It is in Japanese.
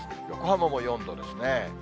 横浜も４度ですね。